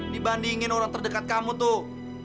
dibandingin orang terdekat kamu tuh